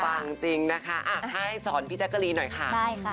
วางจริงนะค่ะอ่าให้สอนพี่แจ๊คการีหน่อยค่ะได้ค่ะ